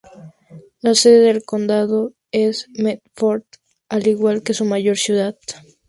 La sede del condado es Medford, al igual que su mayor ciudad.